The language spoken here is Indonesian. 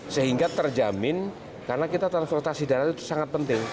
sehingga terjamin karena kita transportasi darat itu sangat penting